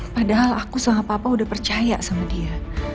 padahal aku sama papa udah percaya sama dia